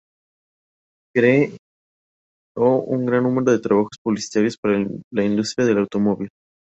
Creó un gran número de trabajos publicitarios para la industria del automóvil.